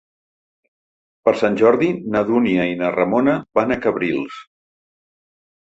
Per Sant Jordi na Dúnia i na Ramona van a Cabrils.